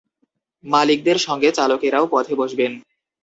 মালিকদের সঙ্গে চালকেরাও পথে বসবেন।